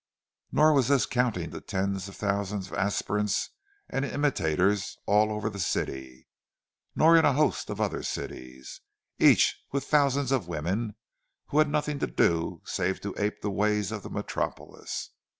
Nor was this counting the tens of thousands of aspirants and imitators all over the city; nor in a host of other cities, each with thousands of women who had nothing to do save to ape the ways of the Metropolis.